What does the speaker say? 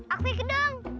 aku ke gedung